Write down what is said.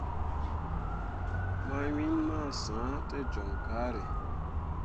Ma win ma sah te jon carré.